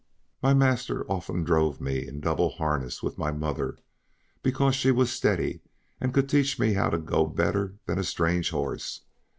My master often drove me in double harness, with my mother, because she was steady and could teach me how to go better than a strange horse.